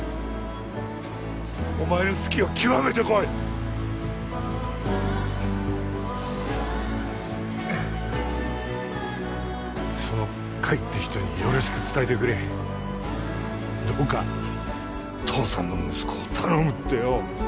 お前の好きをきわめてこいその海って人によろしく伝えてくれどうか父さんの息子を頼むってよ